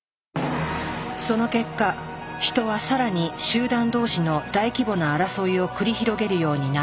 その結果ヒトはさらに集団同士の大規模な争いを繰り広げるようになった。